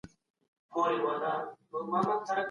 ميرويس خان نيکه څنګه د خلګو غوښتنو ته جواب ورکاوه؟